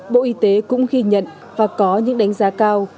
bộ y tế cũng ghi nhận và có những đánh giá cao